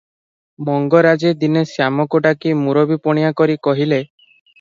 ମଙ୍ଗରାଜେ ଦିନେ ଶ୍ୟାମକୁ ଡାକି ମୂରବୀ ପଣିଆ କରି କହିଲେ